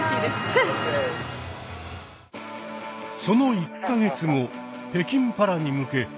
その１か月後北京パラに向け